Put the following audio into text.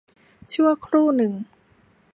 ชั่วครู่หนึ่ง